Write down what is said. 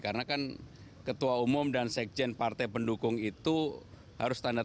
karena kan ketua umum dan sekjen partai pendukung itu harus terima